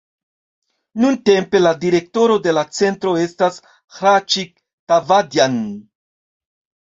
Nuntempe la direktoro de la centro estas Hraĉik Tavadjan.